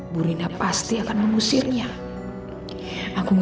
bu rina pasti akan memohonnya sama mama